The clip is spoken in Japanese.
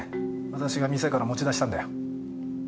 私が店から持ち出したんだよ。